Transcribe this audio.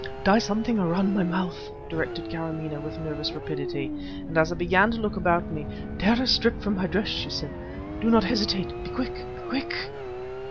"Tie something around my mouth!" directed Karamaneh with nervous rapidity. As I began to look about me: "Tear a strip from my dress," she said; "do not hesitate be quick! be quick!"